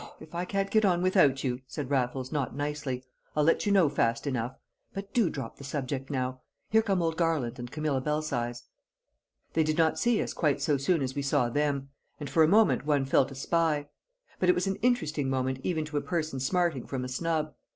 if I can't get on without you," said Raffles, not nicely, "I'll let you know fast enough. But do drop the subject now; here come old Garland and Camilla Belsize!" They did not see us quite so soon as we saw them, and for a moment one felt a spy; but it was an interesting moment even to a person smarting from a snub.